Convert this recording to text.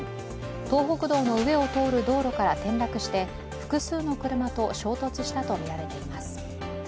東北道の上を通る道路から転落して複数の車と衝突したとみられています。